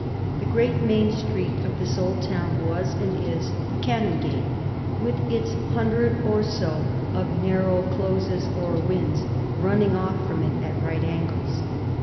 The great main street of this old town was, and is, the Canongate, with its hundred or so of narrow closes or wynds running off from it at right angles.